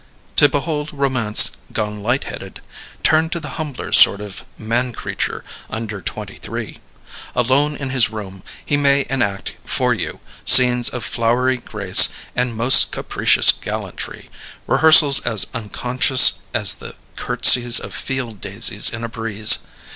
To behold romance gone light headed, turn to the humbler sort of man creature under twenty three. Alone in his room, he may enact for you scenes of flowery grace and most capricious gallantry, rehearsals as unconscious as the curtsies of field daisies in a breeze.